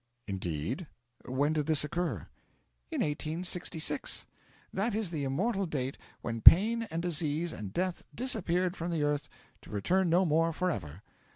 'Indeed? When did this occur?' 'In 1866. That is the immortal date when pain and disease and death disappeared from the earth to return no more for ever.